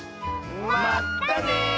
まったね！